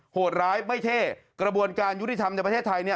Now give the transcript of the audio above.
โหดร้ายไม่เท่กระบวนการยุติธรรมในประเทศไทยเนี่ย